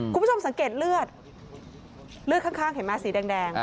คุณผู้ชมสังเกตเลือดเลือดข้างเห็นไหมสีแดง